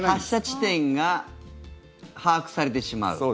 発射地点が把握されてしまう。